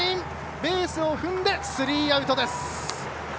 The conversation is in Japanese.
ベースを踏んで、スリーアウト。